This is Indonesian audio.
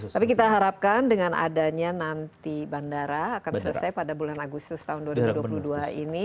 tapi kita harapkan dengan adanya nanti bandara akan selesai pada bulan agustus tahun dua ribu dua puluh dua ini